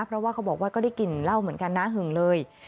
เพราะว่าเขาบอกว่าก็ได้กลิ่นเหล้าเหมือนกันนะหึงเลย